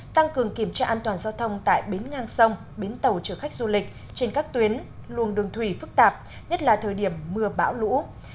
tăng cường kiểm tra an toàn giao thông tại bến ngang sông bến tàu chở khách du lịch trên các tuyến luồng đường thủy phức tạp nhất là thời điểm mưa bão lũ